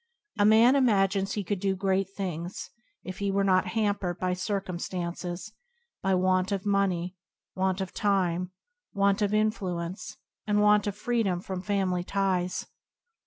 A man imagines he could do great things if he were not hampered by circumstances — by want of money, want of time, want of influence, and want of freedom from family ties.